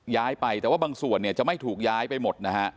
ย้ายไปแต่ว่าบางส่วนเนี่ยจะไม่ถูกย้ายไปหมดนะฮะ